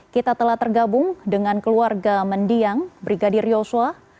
kita telah tergabung dengan keluarga mendiang brigadir yosua